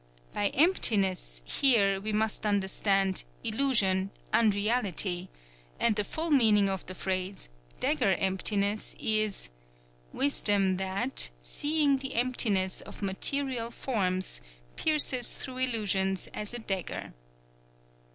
By "emptiness" here, we must understand "illusion," "unreality," and the full meaning of the phrase "dagger emptiness" is: "_Wisdom that, seeing the emptiness of material forms, pierces through illusion as a dagger.